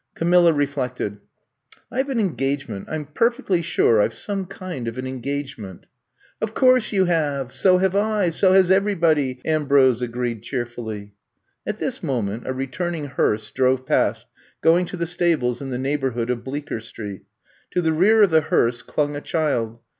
'' Camilla reflected. I Ve an engage ment. I 'm perfectly sure I Ve some kind of an engagement. '' 0f course you have; so have I; so has everybody, '^ Ambrose agreed cheerfully. At this moment a returning hearse drove past going to the stables in the neighbor hood of Bleecker Street. To the rear of the hearse clung a child.